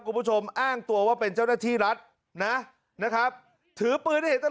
คุณผู้ชมอ้างตัวว่าเป็นเจ้าหน้าที่รัฐนะนะครับถือปืนให้เห็นตลอด